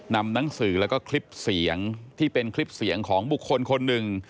นำหนังสือแล้วก็คลิปเสียงที่เป็นคลิปเสียงของบุคคลคนหนึ่ง